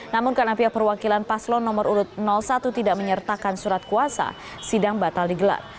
namun karena pihak perwakilan paslon nomor urut satu tidak menyertakan surat kuasa sidang batal digelar